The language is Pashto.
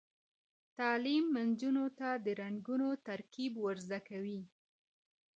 تعلیم نجونو ته د رنګونو ترکیب ور زده کوي.